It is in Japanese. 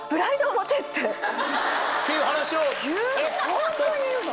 ホントに言うの。